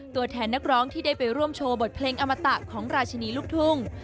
ตัวแทนนักร้องที่ได้ไปร่วมโชว์บทเพลงอมตะของราชินีลูกทุ่ง